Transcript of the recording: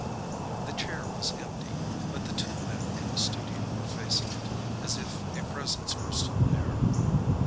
The chair was empty; but the two men in the studio were facing it, as if a presence were still there.